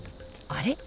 あれ？